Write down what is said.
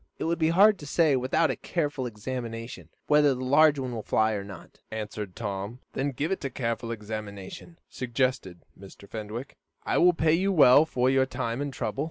"It would be hard to say, without a careful examination, whether this large one will fly or not," answered Tom. "Then give it a careful examination," suggested Mr. Fenwick. "I'll pay you well for your time and trouble."